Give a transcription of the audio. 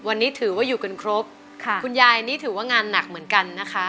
วันนี้ถือว่าอยู่กันครบค่ะคุณยายนี่ถือว่างานหนักเหมือนกันนะคะ